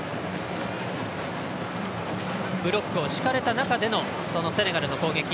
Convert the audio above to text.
ブロックをしかれた中でのセネガルの攻撃。